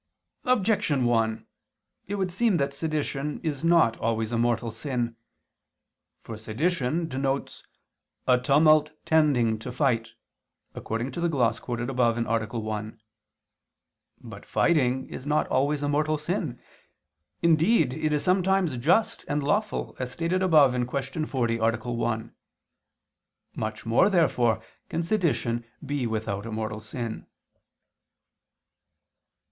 Objection 1: It would seem that sedition is not always a mortal sin. For sedition denotes "a tumult tending to fight," according to the gloss quoted above (A. 1). But fighting is not always a mortal sin, indeed it is sometimes just and lawful, as stated above (Q. 40, A. 1). Much more, therefore, can sedition be without a mortal sin.